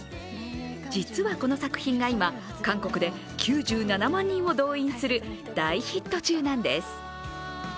実はこの作品が今、韓国で９７万人を動員する大ヒット中なんです。